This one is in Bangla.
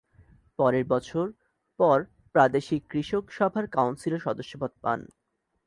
পরের বছর পর প্রাদেশিক কৃষক সভার কাউন্সিলের সদস্যপদ পান।